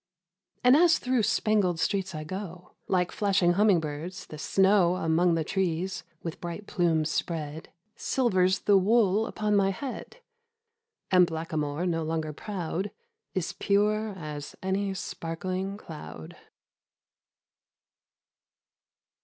And as through spangled streets I go, Like flashing humming birds, the snow Among the trees, with bright plumes spread, Silvers the wool upon my head, And Blackamoor, no longer proud, Is pure as any sparkling cloud